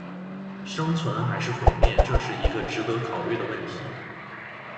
生存还是毁灭，这是一个值得考虑的问题